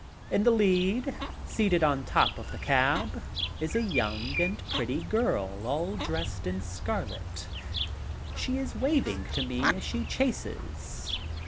In the lead, seated on top of the cab, is a young and pretty girl all dressed in scarlet. She is waving to me as she chases.